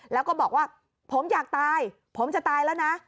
แล้วก็บอกว่าผมอยากตายผมจะตายแล้วนะ